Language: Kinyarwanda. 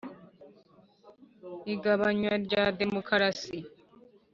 igabanywa rya demokarasi.